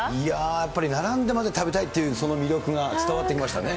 やっぱり並んでまで食べたいっていうその魅力が伝わってきましたね。